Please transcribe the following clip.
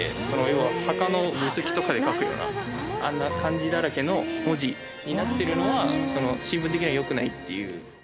要は墓の墓石とかで書くようなあんな漢字だらけの文字になってるのは新聞的には良くないっていう。